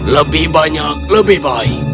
lebih banyak lebih baik